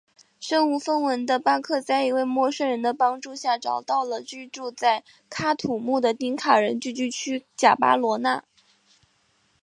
身无分文的巴克在一位陌生人的帮助下找到了居住在喀土穆的丁卡人聚居区贾巴罗纳。